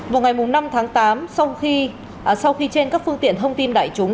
vào ngày năm tháng tám sau khi trên các phương tiện thông tin đại chúng